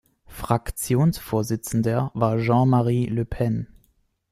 Fraktionsvorsitzender war Jean-Marie Le Pen.